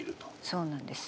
そうなんです。